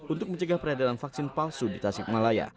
untuk mencegah peredaran vaksin palsu di tasik malaya